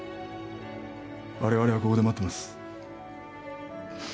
われわれはここで待ってます。